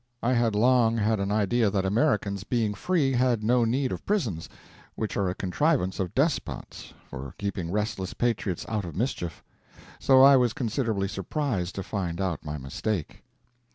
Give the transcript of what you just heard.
I had long had an idea that Americans, being free, had no need of prisons, which are a contrivance of despots for keeping restless patriots out of mischief. So I was considerably surprised to find out my mistake.